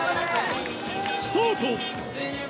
スタート！